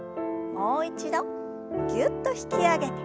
もう一度ぎゅっと引き上げて。